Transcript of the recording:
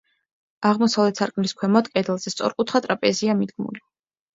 აღმოსავლეთ სარკმლის ქვემოთ, კედელზე, სწორკუთხა ტრაპეზია მიდგმული.